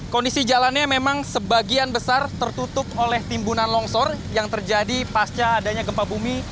kondisi jalannya memang sebagian besar tertutup oleh timbunan longsor yang terjadi pasca adanya gempa bumi